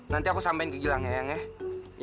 nanti aku sampein ke gilang ya yang ya